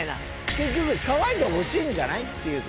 結局騒いでほしいんじゃない？っていうさ。